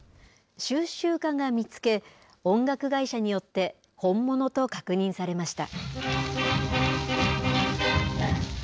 収集家が見つけ音楽会社によって本物と確認されました。